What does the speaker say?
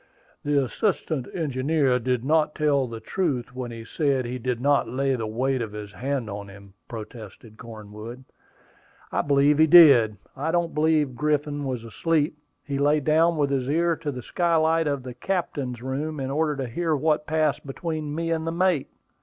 "The assistant engineer did not tell the truth when he said he did not lay the weight of his hand on him," protested Cornwood. "I believe he did. I don't believe Griffin was asleep. He lay down with his ear to the skylight of the captain's room in order to hear what passed between me and the mate.